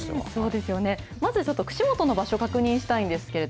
まずは串本の場所、確認したいんですけど。